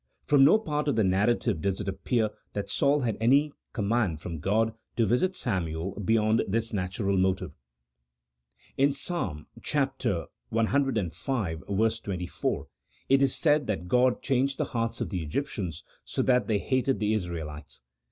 From no part of the narrative does it appear that Saul had any command from God to visit Samuel beyond this natural motive. In Psalm cv. 24 it is said that God changed the hearts of the Egyptians, so that they hated the Israelites.